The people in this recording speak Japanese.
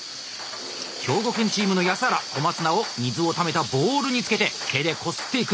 兵庫県チームの安原小松菜を水をためたボウルにつけて手でこすっていく。